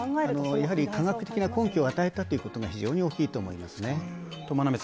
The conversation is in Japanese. やはり科学的な根拠を与えたということが非常に大きいと思いますね。